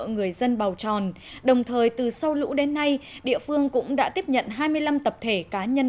người dân bầu tròn đồng thời từ sau lũ đến nay địa phương cũng đã tiếp nhận hai mươi năm tập thể cá nhân